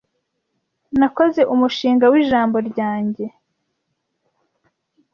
Nakoze umushinga w'ijambo ryanjye.